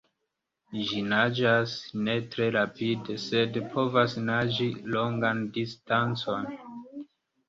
Ĝi naĝas ne tre rapide, sed povas naĝi longan distancon.